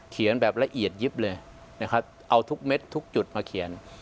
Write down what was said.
เขียนแบบละเอียดยิบเลยเอาทุกเม็ดทุกจุดมาเขียน